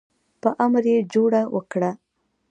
په امر یې جوړه وکړه.